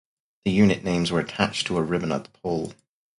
The unit names were attached to a ribbon at the pole.